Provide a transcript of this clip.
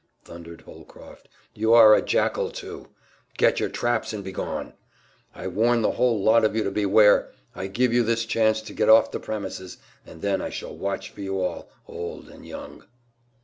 thundered Holcroft, "you are a jackal, too! Get your traps and begone! I warn the whole lot of you to beware! I give you this chance to get off the premises, and then I shall watch for you all, old and young!"